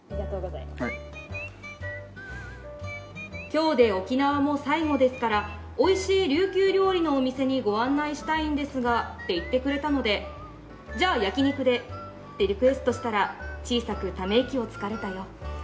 「今日で沖縄も最後ですからおいしい琉球料理のお店にご案内したいんですがって言ってくれたのでじゃあ焼き肉でってリクエストしたら小さくため息をつかれたよ」